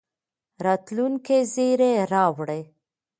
راتلونکي زېری راوړي.